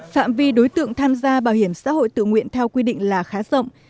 phạm vi đối tượng tham gia bảo hiểm xã hội tự nguyện theo quy định là khá rộng